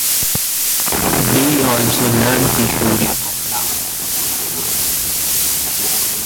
They also learned the story of Rama.